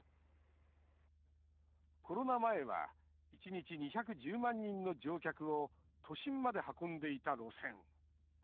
コロナ前は１日２１０万人の乗客を都心まで運んでいた路線。